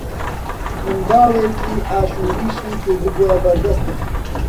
منداڵێکی ئاشۆریشی کردبووە بەر دەستم